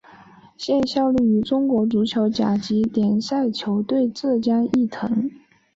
现效力于中国足球甲级联赛球队浙江毅腾。